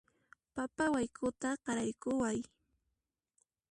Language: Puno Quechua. Papa wayk'uta qaraykuway